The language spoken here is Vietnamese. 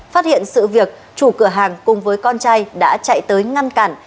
phát hiện sự việc chủ cửa hàng cùng với con trai đã chạy tới ngăn cản